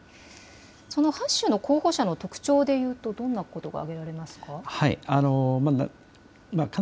８州の候補者の特徴でいうとどんなことが挙げられますか。